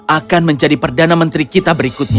akan menjadi perdana menteri kita berikutnya